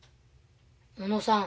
小野さん。